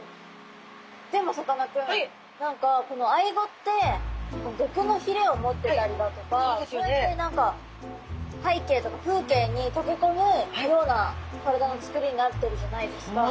でもさかなクン何かこのアイゴって毒のひれを持ってたりだとかこうやって何か背景とか風景に溶け込むような体のつくりになってるじゃないですか。